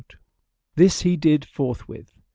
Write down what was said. This he did forthwith.